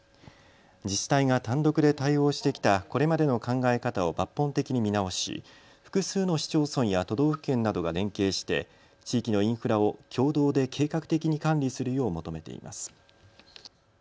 自治体が単独で対応してきたこれまでの考え方を抜本的に見直し、複数の市町村や都道府県などが連携して地域のインフラを共同で計画的に管理するよう求めています。